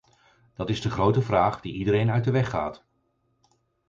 Dat is de grote vraag die iedereen uit de weg gaat.